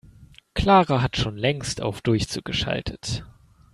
Clara hat schon längst auf Durchzug geschaltet.